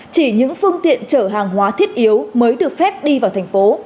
chỉ những phương tiện chở hàng hóa thiết yếu mới được phép đi vào thành phố